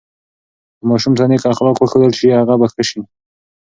که ماشوم ته نیک اخلاق وښودل سي، هغه به ښه سي.